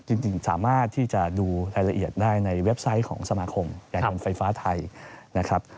จริงสามารถที่จะดูรายละเอียดได้ในเว็บไซต์ของสมาคมการเงินไฟฟ้าไทยนะครับ